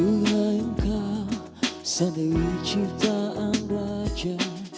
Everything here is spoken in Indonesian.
duh hayung kau sandai ciptaan raja